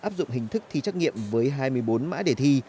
áp dụng hình thức thi trắc nghiệm với hai mươi bốn mã đề thi